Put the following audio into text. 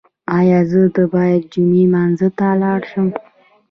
ایا زه باید د جمعې لمانځه ته لاړ شم؟